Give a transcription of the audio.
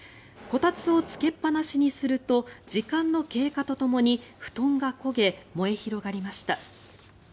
こたつをつけっぱなしにすると時間の経過とともに布団が焦げ、燃え広がりました。